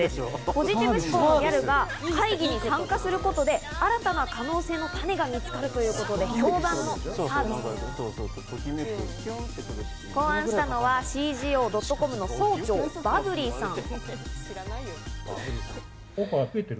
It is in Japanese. ポジティブ思考のギャルが会議に参加することで新たな可能性の種が見つかるということで、サービスを考案したのはＣＧＯドットコムの総長・バブリーさん。